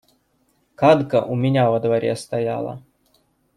Кадка у меня во дворе стояла